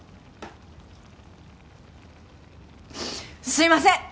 すいません！